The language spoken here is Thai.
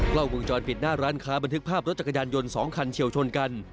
กล้องวงจรปิดหน้าร้านค้าบันทึกภาพรถจักรยานยนต์๒คันเฉียวชนกัน